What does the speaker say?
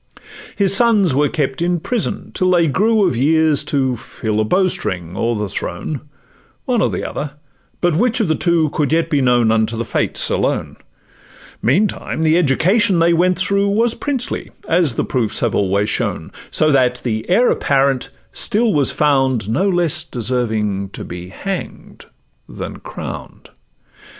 His sons were kept in prison, till they grew Of years to fill a bowstring or the throne, One or the other, but which of the two Could yet be known unto the fates alone; Meantime the education they went through Was princely, as the proofs have always shown: So that the heir apparent still was found No less deserving to be hang'd than crown'd.